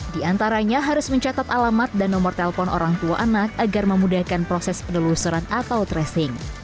di antaranya harus mencatat alamat dan nomor telepon orang tua anak agar memudahkan proses penelusuran atau tracing